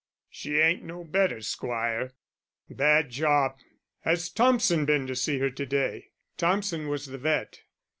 "She ain't no better, squire." "Bad job.... Has Thompson been to see her to day?" Thompson was the vet.